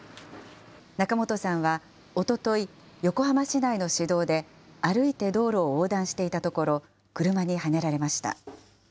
仲本さんは、おととい、横浜市内の市道で、歩いて道路を横断していたところ、車にはねられました。